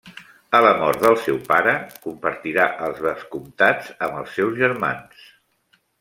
A la mort del seu pare, compartirà els vescomtats amb els seus germans.